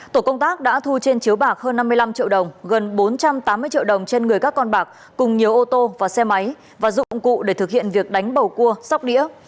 tổ công tác đã thu trên chiếu bạc hơn năm mươi năm triệu đồng gần bốn trăm tám mươi triệu đồng trên người các con bạc cùng nhiều ô tô và xe máy và dụng cụ để thực hiện việc đánh bầu cua sóc đĩa